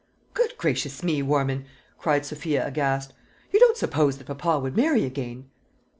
"Good gracious me, Warman!" cried Sophia aghast, "you don't suppose that papa would marry again?"